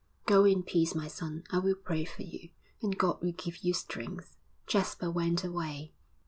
'Go in peace, my son; I will pray for you, and God will give you strength!' Jasper went away.